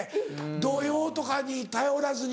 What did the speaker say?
童謡とかに頼らずに。